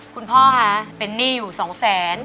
คุณพ่อคะเป็นหนี้อยู่๒แสน